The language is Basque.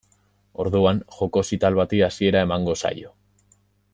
Orduan joko zital bati hasiera emango zaio.